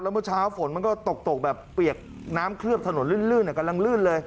เมื่อเช้าฝนมันก็ตกตกแบบเปียกน้ำเคลือบถนนลื่นกำลังลื่นเลย